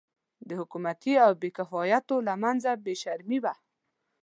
د حکومتي او بې کفایتو له منځه بې شرمي وه.